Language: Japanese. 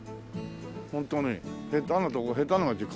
ホントに下手なとこ下手な町顔負けだよ。